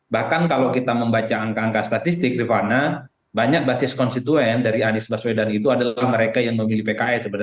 bahkan kalau kita membaca angka angka statistik rifana banyak basis konstituen dari anies baswedan itu adalah mereka yang memilih pks